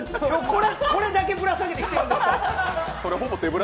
これだけぶら下げてきてるんですから。